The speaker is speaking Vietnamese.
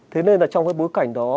thế nên là trong cái bối cảnh đó